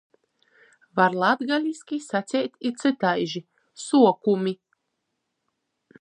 Var latgaliski saceit i cytaiži — suokumi.